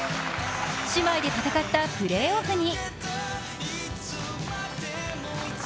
姉妹で戦ったプレーオフに。